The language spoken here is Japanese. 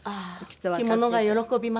ああ着物が喜びます。